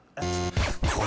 これ。